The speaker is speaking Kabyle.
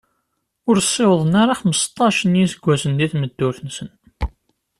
Ur ssiwḍen ara xmesṭac n yiseggasen di tmeddurt-nsen.